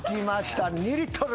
２リットル。